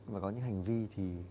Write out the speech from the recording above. và có những hành vi thì